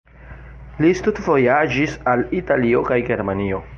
Li studvojaĝis al Italio kaj Germanio.